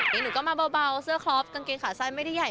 นี่หนูก็มาเบาเสื้อครอบกางเกงขาสั้นไม่ได้ใหญ่